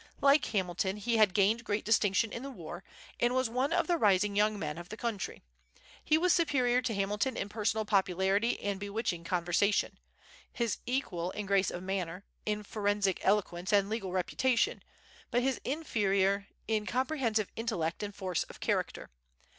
Like Hamilton, he had gained great distinction in the war, and was one of the rising young men of the country. He was superior to Hamilton in personal popularity and bewitching conversation; his equal in grace of manner, in forensic eloquence and legal reputation, but his inferior in comprehensive intellect and force of character.